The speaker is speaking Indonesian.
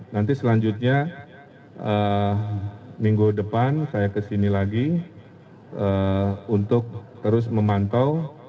nanti selanjutnya minggu depan saya kesini lagi untuk terus memantau